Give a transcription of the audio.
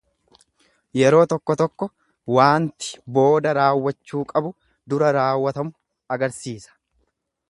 Yeroo tokko tokko waanti booda raawwachuu qabu dura raawwatamu agarsiisa.